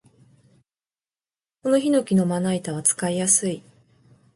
このヒノキのまな板は使いやすい